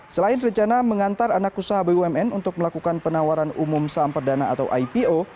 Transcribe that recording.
selain rencana mengantar anak usaha bumn untuk melakukan penawaran umum saham perdana atau ipo